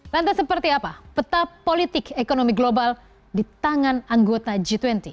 lantas seperti apa peta politik ekonomi global di tangan anggota g dua puluh